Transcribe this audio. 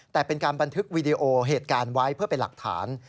แต่เป็นการบันทึกวีดีโอเหตุการณ์ไว้เพื่อเป็นหลักฐาน